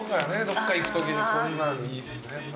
どっか行くときにこんなのいいっすね。